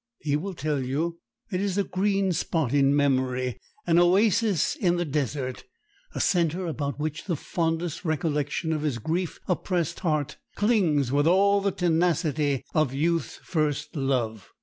He will tell you: "It is a green spot in memory, an oasis in the desert, a center about which the fondest recollection of his grief oppressed heart clings with all the tenacity of youth's first love.